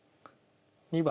２番。